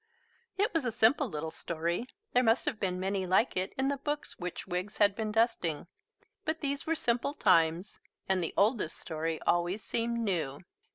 It was a simple little story. There must have been many like it in the books which Wiggs had been dusting; but these were simple times, and the oldest story always seemed new.